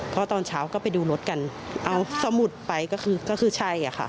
เพราะตอนเช้าก็ไปดูรถกันเอาสมุดไปก็คือก็คือใช่ค่ะ